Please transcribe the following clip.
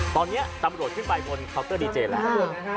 ตอนนี้ตำรวจขึ้นไปบนเคาน์เตอร์ดีเจแล้ว